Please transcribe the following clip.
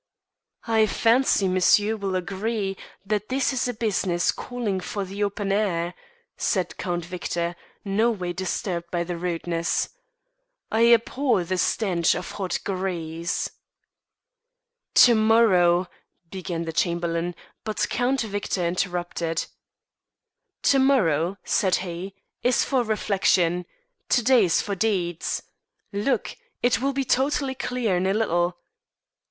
"I fancy monsieur will agree that this is a business calling for the open air," said Count Victor, no way disturbed by the rudeness. "I abhor the stench of hot grease." "To morrow " began the Chamberlain, and Count Victor interrupted. "To morrow," said he, "is for reflection; to day is for deeds. Look! it will be totally clear in a little."